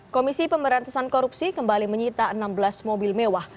komisi pemberantasan korupsi kembali menyita enam belas mobil mewah